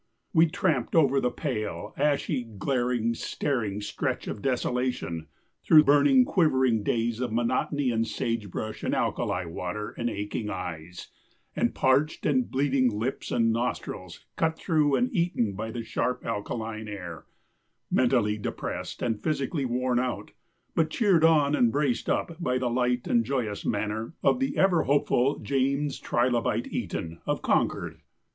We tramped over the pale, ashy, glaring, staring stretch of desolation, through burning, quivering days of monotony and sage brush and alkali water and aching eyes and parched and bleeding lips and nostrils cut through and eaten by the sharp alkaline air, mentally depressed and physically worn out, but cheered on and braced up by the light and joyous manner of the ever hopeful James Trilobite Eton of Concord.